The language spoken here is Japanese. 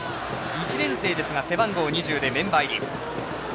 １年生ですが背番号２０でメンバー入り。